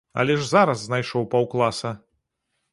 Але ж зараз знайшоў паўкласа!